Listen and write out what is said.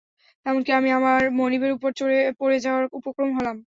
এমনকি আমি আমার মনিবের উপর পড়ে যাওয়ার উপক্রম হলাম।